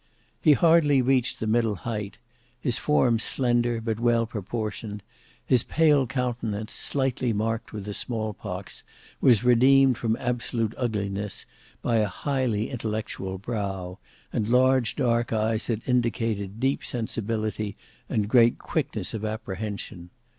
He hardly reached the middle height; his form slender, but well proportioned; his pale countenance, slightly marked with the small pox, was redeemed from absolute ugliness by a highly intellectual brow, and large dark eyes that indicated deep sensibility and great quickness of apprehension.